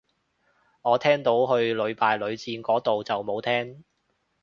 我聽到去屢敗屢戰個到就冇聽